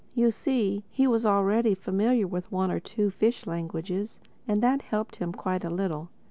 You see, he was already familiar with one or two fish languages; and that helped him quite a little.